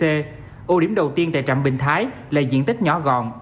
ưu điểm đầu tiên tại trạm bình thái là diện tích nhỏ gọn